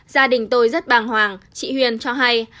gia đình tôi rất bàng hoàng chị huyền cho hay